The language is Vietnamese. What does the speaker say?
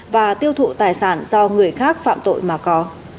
và tiêu thụ tài sản do người khác phạm tội mà có